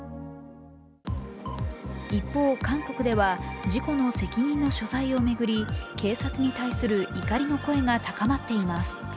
一方、韓国では事故の責任の所在を巡り、警察に対する怒りの声が高まっています。